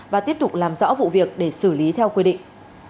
và tiếp tục làm rõ vụ việc để xử lý theo quy định